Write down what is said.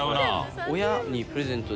親にプレゼントで。